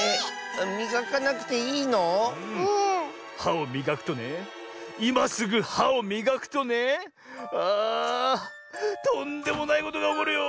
みがかなくていいの？はをみがくとねいますぐはをみがくとねあとんでもないことがおこるよ。